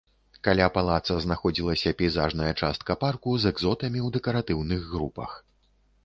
Каля палаца знаходзілася пейзажная частка парку з экзотамі ў дэкаратыўных групах.